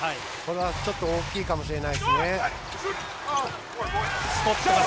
ちょっと大きいかもしれないですね。